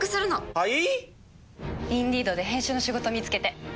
はい！